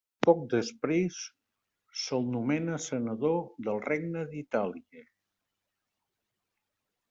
Poc després, se'l nomena senador del Regne d'Itàlia.